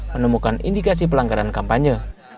menemukan indikasi pelanggaran kampanye